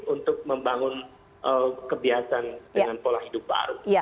untuk membangun kebiasaan dengan pola hidup baru